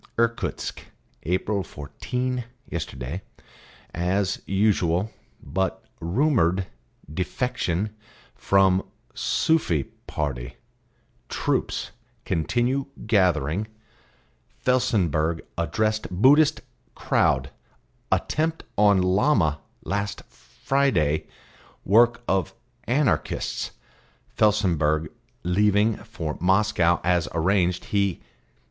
"'Irkutsk April fourteen Yesterday as usual But rumoured defection from Sufi party Troops continue gathering Felsenburgh addressed Buddhist crowd Attempt on Llama last Friday work of Anarchists Felsenburgh leaving for Moscow as arranged he....